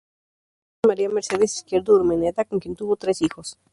Se casó con María Mercedes Izquierdo Urmeneta, con quien tuvo tres hijos.